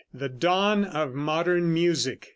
THE Dawn of Modern Music.